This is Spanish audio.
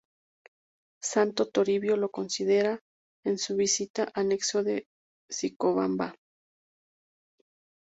Santo Toribio lo considera, en su visita, anexo de Piscobamba.